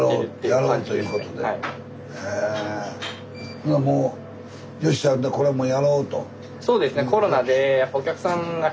ほなもうよっしゃこれもうやろうと。